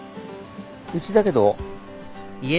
うちだけど。